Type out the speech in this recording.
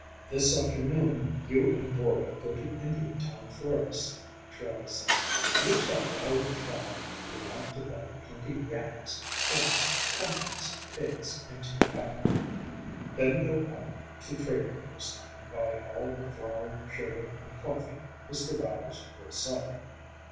"This afternoon you and boy go to Indiantown for us," Charley said. "You tell all of tribe we want to buy plenty yams, corn, pumpkins, pigs, and two cattle, then go out to trading post and buy all the flour, sugar and coffee Mr. Bowers will sell.